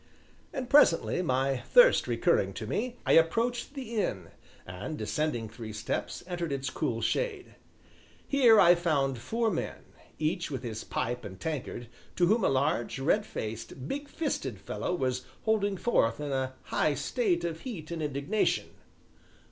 And presently, my thirst recurring to me, I approached the inn, and descending three steps entered its cool shade. Here I found four men, each with his pipe and tankard, to whom a large, red faced, big fisted fellow was holding forth in a high state of heat and indignation.